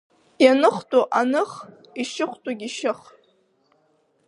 Ианыхтәу аных, ишьыхтәугьы шьых.